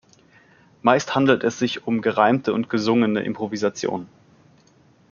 Meist handelt es sich um gereimte und gesungene Improvisationen.